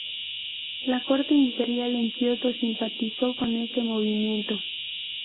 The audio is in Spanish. La corte imperial en Kioto simpatizó con este movimiento.